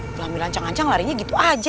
pelami lancang lancang larinya gitu aja